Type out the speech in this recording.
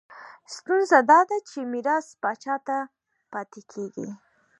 ستونزه دا ده چې میراث پاچا ته پاتې کېږي.